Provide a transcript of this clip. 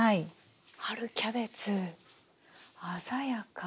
春キャベツ鮮やか。